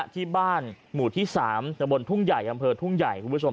ที่บ้านหมู่ที่๓ตะบนทุ่งใหญ่อำเภอทุ่งใหญ่คุณผู้ชม